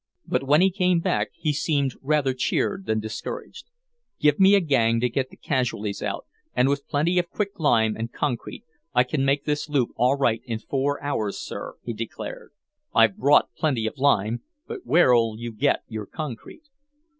But when he came back he seemed rather cheered than discouraged. "Give me a gang to get the casualties out, and with plenty of quick lime and concrete I can make this loop all right in four hours, sir," he declared. "I've brought plenty of lime, but where'll you get your concrete?"